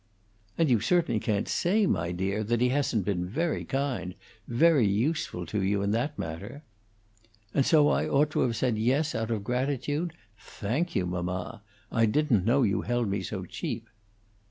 "And you certainly can't say, my dear, that he hasn't been very kind very useful to you, in that matter." "And so I ought to have said yes out of gratitude? Thank you, mamma! I didn't know you held me so cheap."